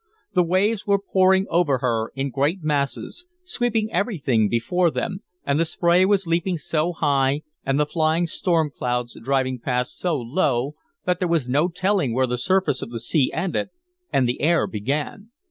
The waves were pouring over her in great masses, sweeping everything before them; and the spray was leaping so high and the flying storm clouds driving past so low that there was no telling where the surface of the sea ended and the air began.